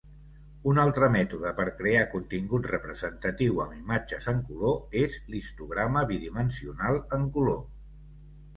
Un altre mètode per crear contingut representatiu amb imatges en color és l'histograma bidimensional en color.